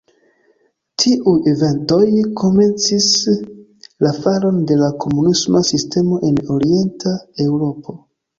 Tiuj eventoj komencis la falon de la komunisma sistemo en Orienta Eŭropo.